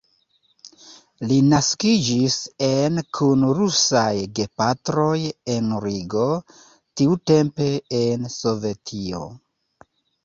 Li naskiĝis en kun rusaj gepatroj en Rigo, tiutempe en Sovetio.